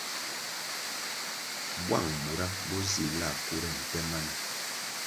Bwang bura bo zih la kure nte mana.